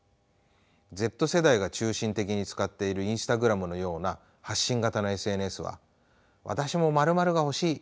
Ｚ世代が中心的に使っているＩｎｓｔａｇｒａｍのような発信型のＳＮＳは「私も○○が欲しい！」